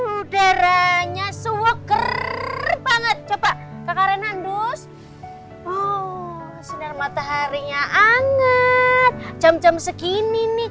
udah ranya swok banget coba kakare nandus oh sinar mataharinya anget jam jam segini nih